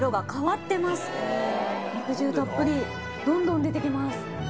肉汁たっぷりどんどん出てきます。